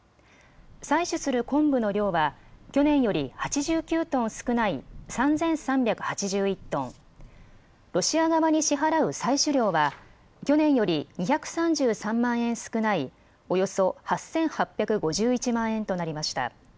採取するコンブの量は去年より８９トン少ない３３８１トン、ロシア側に支払う採取料は去年より２３３万円少ないおよそ８８５１万円となりました。